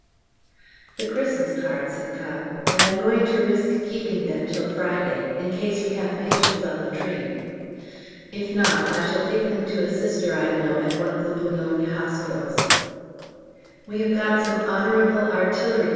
The Xmas Cards have come, and I'm going to risk keeping them till Friday, in case we have patients on the train. If not, I shall take them to a Sister I know at one of the B. hospitals. We have got some H.A.C.